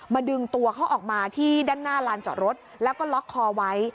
ดึงตัวเขาออกมาที่ด้านหน้าลานจอดรถแล้วก็ล็อกคอไว้